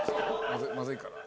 まずいから。